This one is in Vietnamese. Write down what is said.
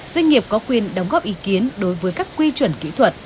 doanh nghiệp có quyền đóng góp ý kiến đối với các quy chuẩn kỹ thuật